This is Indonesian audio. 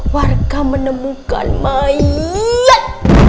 warga menemukan mayat